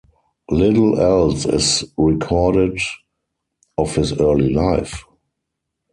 Little else is recorded of his early life.